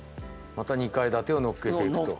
また２階建てをのっけていくと。